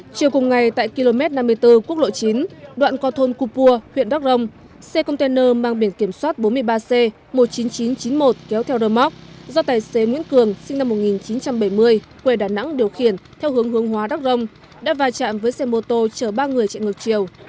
chiều cùng ngày tại km năm mươi bốn quốc lộ chín đoạn qua thôn cú pua huyện đắk rông xe container mang biển kiểm soát bốn mươi ba c một mươi chín nghìn chín trăm chín mươi một kéo theo rơ móc do tài xế nguyễn cường sinh năm một nghìn chín trăm bảy mươi quê đà nẵng điều khiển theo hướng hướng hóa đắc rông đã va chạm với xe mô tô chở ba người chạy ngược chiều